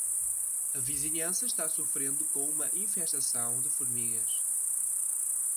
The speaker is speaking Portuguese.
A vizinhança está sofrendo com uma infestação de formigas